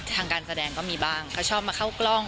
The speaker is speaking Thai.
ทางการแสดงก็มีบ้างก็ชอบมาเข้ากล้อง